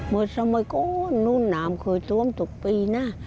เมื่อสมัยก็นู่นนามเคยทวมทุกปีนะ